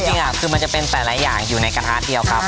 จริงคือมันจะเป็นแต่ละอย่างอยู่ในกระทะเดียวครับ